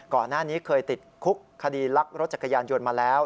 ก่อนหน้านี้เคยติดคุกคดีลักรถจักรยานยนต์มาแล้ว